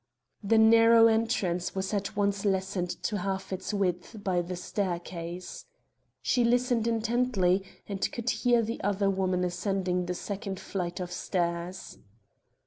The narrow entrance was at once lessened to half its width by a staircase. She listened intently, and could hear the other woman ascending the second flight of stairs.